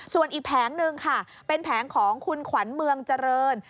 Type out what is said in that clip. ส่วนอีกแผงหนึ่งค่ะเป็นแผงของคุณขวัญเมืองเจริญ